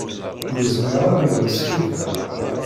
Ur zmireɣ ad awen-d-skiddbeɣ.